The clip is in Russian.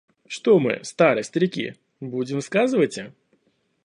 Что мы, старые старики, будем сказывати.